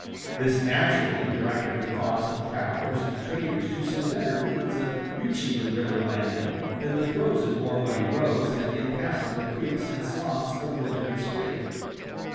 This naturally directed the thoughts of travelers and traders to some better means of reaching the river landing than the frozen or muddy roads and impassable creeks and sloughs of winter and spring.